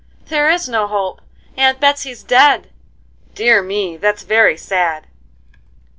"There is no hope; Aunt Betsey's dead!" "Dear me! that's very sad."